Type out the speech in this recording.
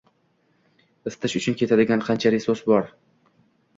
Isitish uchun ketadigan qancha resurs bor